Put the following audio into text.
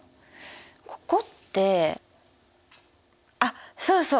ここってあっそうそう